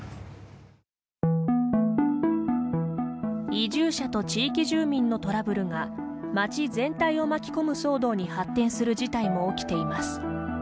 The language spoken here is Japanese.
移住者と地域住民のトラブルが町全体を巻き込む騒動に発展する事態も起きています。